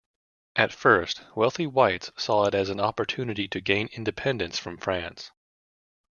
At first, wealthy whites saw it as an opportunity to gain independence from France.